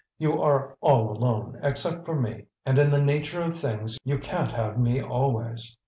You are all alone, except for me, and in the nature of things you can't have me always.